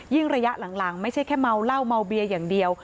ระยะหลังไม่ใช่แค่เมาเหล้าเมาเบียอย่างเดียว